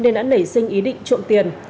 nên đã nảy sinh ý định trộm tiền